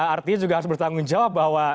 artinya juga harus bertanggung jawab bahwa